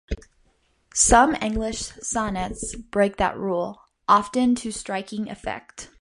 Some English sonnets break that rule, often to striking effect.